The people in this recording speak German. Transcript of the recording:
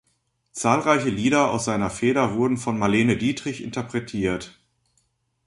Zahlreiche Lieder aus seiner Feder wurden von Marlene Dietrich interpretiert.